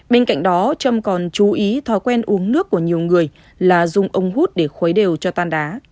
bên cạnh đó trâm còn chú ý thói quen uống nước của nhiều người là dùng ống hút để khuấy đều cho tan đá